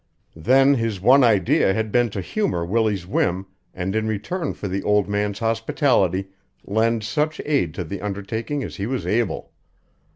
Then his one idea had been to humor Willie's whim and in return for the old man's hospitality lend such aid to the undertaking as he was able.